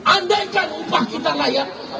andaikan upah kita layak